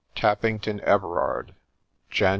TAPPINGTON EVERABD, Jan.